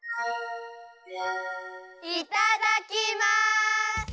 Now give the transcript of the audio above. いただきます！